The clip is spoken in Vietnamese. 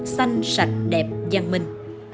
xanh sạch đẹp giang minh